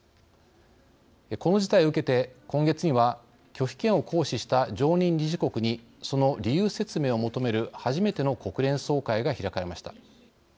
この事態を受けて今月には拒否権を行使した常任理事国にその理由説明を求める初めての国連総会が開かれました。